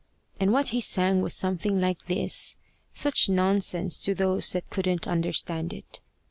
And what he sang was something like this such nonsense to those that couldn't understand it!